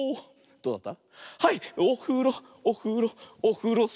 どうだった？